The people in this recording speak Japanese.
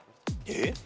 えっ？